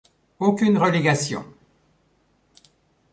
Aucune relégation.